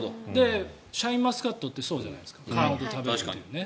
シャインマスカットってそうじゃないですか皮ごと食べるというね。